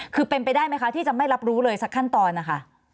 คือเป็นไปได้ไหมคะที่จะไม่รับรู้เลยสักขั้นตอนนะคะ